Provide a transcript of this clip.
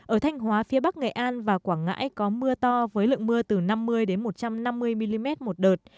ở thanh hóa phía bắc nghệ an và quảng ngãi có mưa to với lượng mưa từ năm mươi một trăm năm mươi mm một đợt